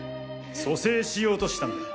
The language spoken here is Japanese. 蘇生しようとしたんだ。